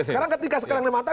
sekarang ketika sekarang di mata